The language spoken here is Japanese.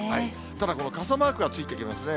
ただ、この傘マークがついてきますね。